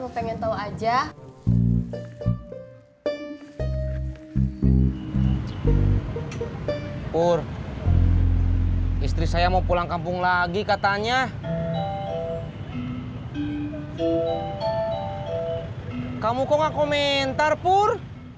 pur istri saya mau pulang kampung lagi katanya kamu kok gak komentar pur